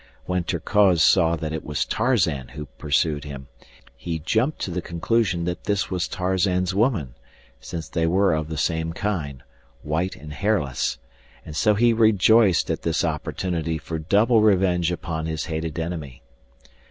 When Terkoz saw that it was Tarzan who pursued him, he jumped to the conclusion that this was Tarzan's woman, since they were of the same kind—white and hairless—and so he rejoiced at this opportunity for double revenge upon his hated enemy.